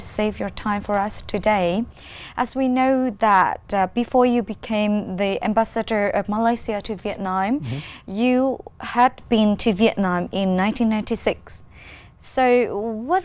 tại vì chúng tôi biết trước khi các bạn trở thành đại sứ của malaysia về việt nam các bạn đã đến việt nam vào năm một nghìn chín trăm chín mươi sáu